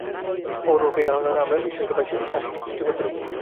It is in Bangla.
অপর পক্ষে, এই ধারণাদ্বারা আমরা ঈশ্বরকে পাই শাশ্বত সৃষ্টিকর্তারূপে।